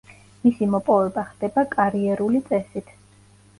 მისი მოპოვება ხდება კარიერული წესით.